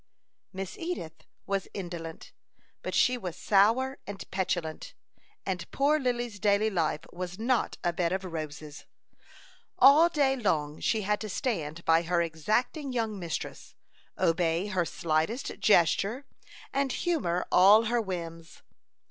Miss Edith was indolent, but she was sour and petulant, and poor Lily's daily life was not a bed of roses. All day long she had to stand by her exacting young mistress, obey her slightest gesture, and humor all her whims.